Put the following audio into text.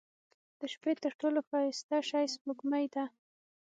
• د شپې تر ټولو ښایسته شی سپوږمۍ ده.